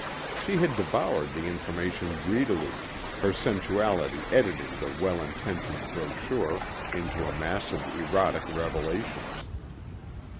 She had devoured the information greedily, her sensuality editing the well intentioned brochure into a mass of erotic revelations.